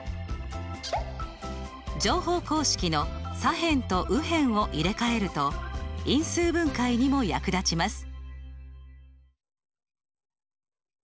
乗法公式の左辺と右辺を入れ替えると因数分解にも役立ちます。